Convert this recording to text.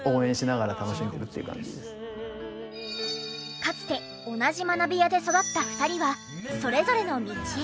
めっちゃかつて同じ学びやで育った２人はそれぞれの道へ。